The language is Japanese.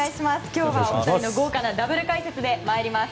今日は２人の豪華なダブル解説で参ります。